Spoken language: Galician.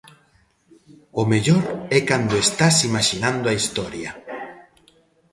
O mellor é cando estás imaxinando a historia.